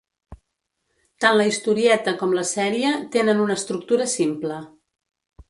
Tant la historieta com la sèrie tenen una estructura simple.